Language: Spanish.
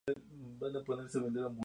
Habita en Kazajistán y Turkmenistán.